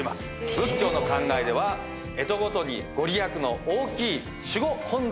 仏教の考えでは干支ごとに御利益の大きい守護本尊があります。